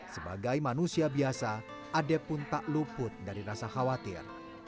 sebagai manusia biasa ade pun tak luput dari rasa khawatir